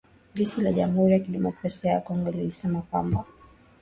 jeshi la jamhuri ya kidemokrasia ya Kongo lilisema kwamba